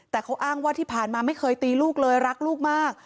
แต่เขาอ้างว่าที่ผ่านมาไม่เคยตีลูกเลยรักลูกมาก